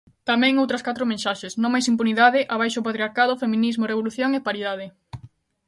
Tamén, outras catro mensaxes: "Non máis impunidade", "Abaixo o patriarcado", "Feminismo revolución" e "Paridade".